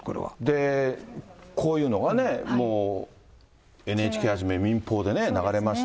で、こういうのがね、もうＮＨＫはじめ民法で流れました。